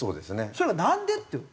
それはなんで？って。